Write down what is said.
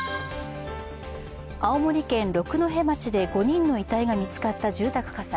青森県六戸町で５人の遺体が見つかった住宅火災。